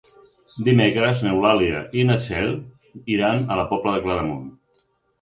Dimecres n'Eulàlia i na Txell iran a la Pobla de Claramunt.